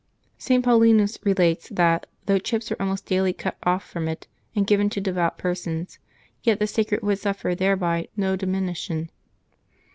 St. Paulinus relates that, though chips were almost daily cut off from it and given to devout persons, yet the sacred wood suffered thereby no diminution.